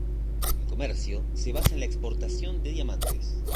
El comercio se basa en la exportación de diamantes.